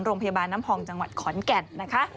โรงพยาบาลน้ำพองจังหวัดขอนแก่นนะคะ